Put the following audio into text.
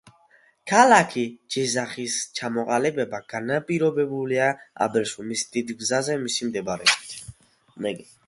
ქალაქი ჯიზახის ჩამოყალიბება განპირობებულია აბრეშუმის დიდ გზაზე მისი მდებარეობით.